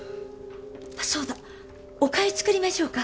あっそうだおかゆ作りましょうか？